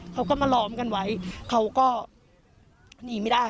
เขาก็มาล้อมกันไว้เขาก็หนีไม่ได้